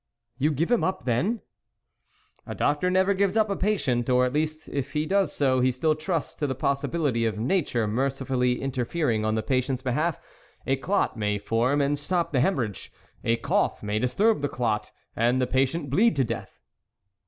" You give him iip then ?"" A doctor never gives up a patient, or at least if he does so, he still trusts to the possibility of nature mercifully interfering on the patient's behalf ; a clot may form and stop the hemorrhage ; a cough may disturb the clot, and the patient bleed to death."